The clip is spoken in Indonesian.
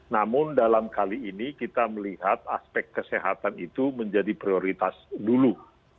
namun dalam kali ini kita melihat aspek kesehatan itu menjadi prioritas dulu